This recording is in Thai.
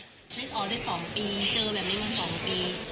ให้ต่อได้๒ปีเจอแบบนี้มา๒ปี